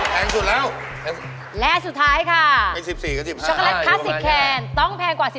แพงกว่าแพงกว่าแพงกว่า